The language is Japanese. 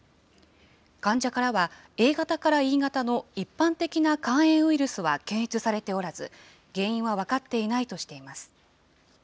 患者からはＡ型からＥ型の一般的な肝炎ウイルスは検出されておらず、原因は分かっていないとしています。